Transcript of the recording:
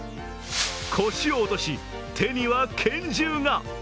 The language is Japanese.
腰を落とし、手には拳銃が。